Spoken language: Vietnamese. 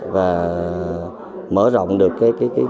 và mở rộng được mối quan hệ đối tác